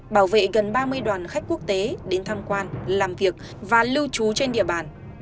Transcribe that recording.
bảo vệ gần ba mươi đoàn khách quốc tế đến tham quan làm việc và lưu trú trên địa bàn